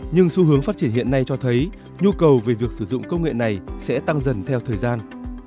nhưng xu hướng phát triển hiện nay cho thấy nhu cầu về việc sử dụng công nghệ này sẽ tăng dần theo thời gian